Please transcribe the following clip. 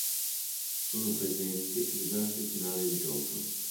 Sono presenti diversi finali di gioco.